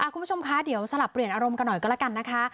คุณผู้ชมคะเดี๋ยวสลับเปลี่ยนอารมณ์กันหน่อยก็แล้วกันนะคะ